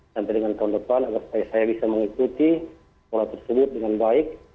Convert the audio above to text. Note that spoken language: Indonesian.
sampai dengan tahun depan agar supaya saya bisa mengikuti pola tersebut dengan baik